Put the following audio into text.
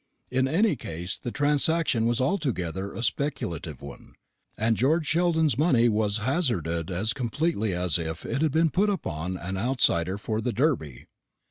In any case the transaction was altogether a speculative one; and George Sheldon's money was hazarded as completely as if it had been put upon an outsider for the Derby.